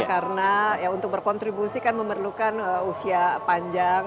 karena untuk berkontribusi kan memerlukan usia panjang